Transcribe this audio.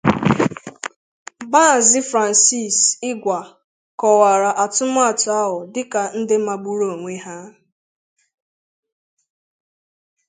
Maazị Francis Ịgwah kọwara atụmatụ ahụ dịka nke magburu onwe ya